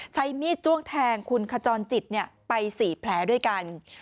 ใช้มีดจ้วงแทงคุณขจรจิตไป๔แผลด้วยกัน